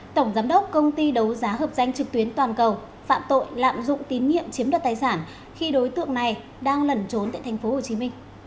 tổng giám đốc công ty đấu giá hợp danh trực tuyến toàn cầu phạm tội lạm dụng tín nhiệm chiếm đoạt tài sản khi đối tượng này đang lẩn trốn tại tp hcm